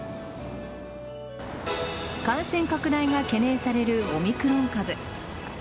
感染拡大が懸念されるオミクロン株。